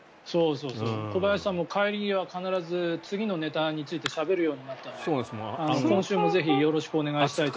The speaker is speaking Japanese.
小林さんも帰り際に必ず次のネタについてしゃべるようになったので今週もぜひよろしくお願いします。